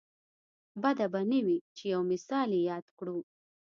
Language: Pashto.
بده به نه وي چې یو مثال یې یاد کړو.